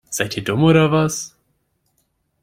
Seid ihr dumm oder was?